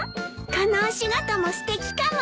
このお仕事もすてきかも。